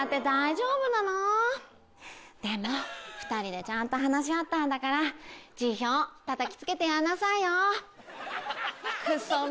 でも２人でちゃんと話し合ったんだから辞表たたき付けてやんなさいよ。